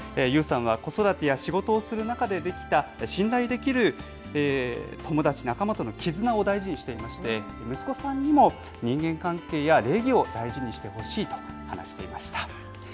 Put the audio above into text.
ＹＯＵさんは子育てや仕事をする中でできた信頼できる友達、仲間との絆を大事にしていまして、息子さんにも人間関係や礼儀を大事にしてほしいと話していました。